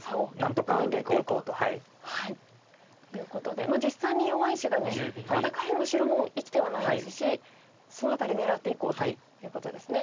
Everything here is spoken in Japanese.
何とか埋めていこうと。ということで実際に弱い石がまだ下辺の白も生きてはないですしその辺り狙っていこうということですね。